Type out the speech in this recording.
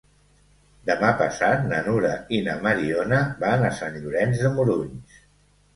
Demà passat na Nura i na Mariona van a Sant Llorenç de Morunys.